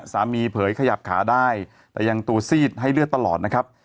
เผยขยับขาได้แต่ยังตัวซีดให้เลือดตลอดนะครับ